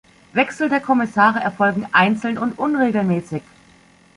Wechsel der Kommissare erfolgen einzeln und unregelmäßig.